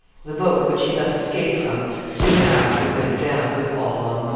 The boat which he thus escaped from soon after went down, with all on board.